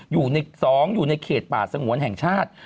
อยู่ใน๒อยู่ในเขตป่าสงวนแห่งชาติ